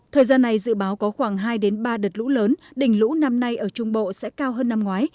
thời gian này dự báo có khoảng hai ba đợt lũ lớn đỉnh lũ năm nay ở trung bộ sẽ cao hơn năm ngoái